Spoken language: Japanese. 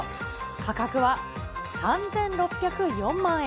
価格は３６０４万円。